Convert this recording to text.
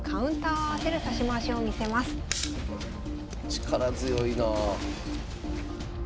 力強いなあ。